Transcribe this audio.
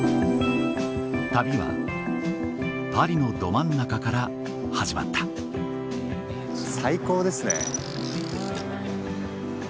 旅はパリのど真ん中から始まった最高ですね。